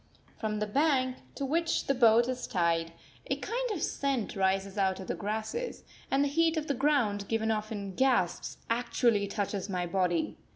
From the bank to which the boat is tied a kind of scent rises out of the grass, and the heat of the ground, given off in gasps, actually touches my body.